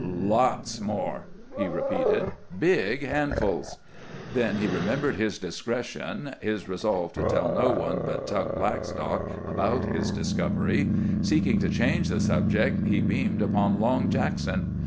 "Lots more!" he repeated. "Big handfuls." Then he remembered his discretion, his resolve to tell no one but Tug Blackstock about his discovery. Seeking to change the subject, he beamed upon Long Jackson.